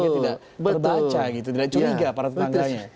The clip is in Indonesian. tidak terbaca gitu tidak curiga para tetangganya